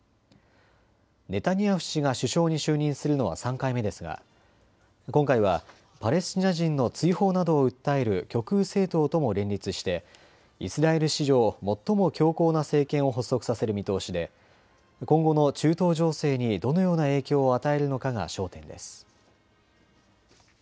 ネタニヤフ氏が首相に就任するのは３回目ですが今回はパレスチナ人の追放などを訴える極右政党とも連立してイスラエル史上、最も強硬な政権を発足させる見通しで今後の中東情勢にどのような影響を与えるのかが焦点です。